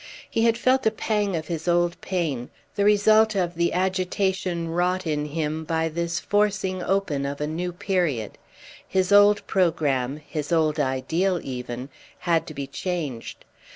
He had felt a pang of his old pain, the result of the agitation wrought in him by this forcing open of a new period. His old programme, his old ideal even had to be changed.